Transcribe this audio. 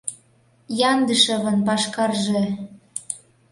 Яндышевын пашкарже-е...